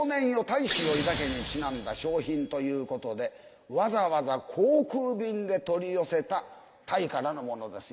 大志を抱け」にちなんだ賞品ということでわざわざ航空便で取り寄せたタイからのものです。